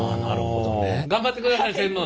頑張ってください専務。